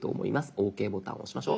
「ＯＫ」ボタンを押しましょう。